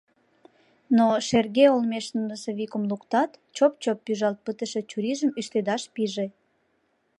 Но, шерге олмеш носовикым луктат, чоп-чоп пӱжалт пытыше чурийжым ӱштедаш пиже.